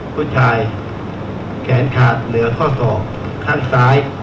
ผู้ชายแขนขาดเหลือข้อศอกข้างซ้าย